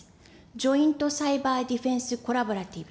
ジョイント・サイバー・ディフェンス・コラボラティブ。